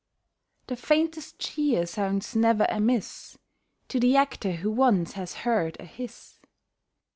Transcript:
The faintest cheer sounds never amiss To the actor who once has heard a hiss.